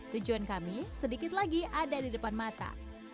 tujuan kami sedikit lagi ada di depan mata